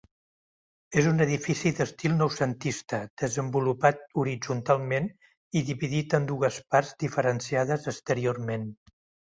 És un edifici d'estil noucentista desenvolupat horitzontalment i dividit en dues parts diferenciades exteriorment.